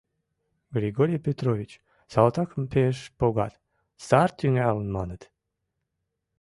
— Григорий Петрович, салтакым пеш погат, сар тӱҥалын, маныт.